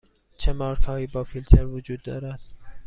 چه مارک هایی با فیلتر دارید؟